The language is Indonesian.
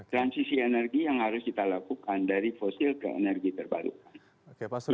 transisi energi yang harus kita lakukan dari fosil ke energi terbarukan